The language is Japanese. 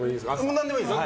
何でもいいです。